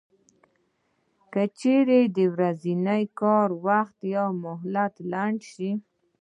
که چېرې د ورځني کار وخت یا مهلت را لنډ شي